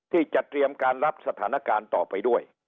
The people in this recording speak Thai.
ที่จะเตรียมการรับสถานการณ์ต่อไปด้วย